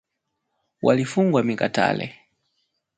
Walifungwa mikatale